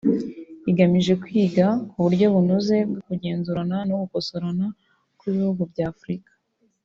igamije kwiga ku buryo bunoze bwo kugenzurana no gukosorana kw’ibihugu by’Afurika